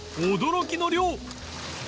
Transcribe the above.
［驚きの量］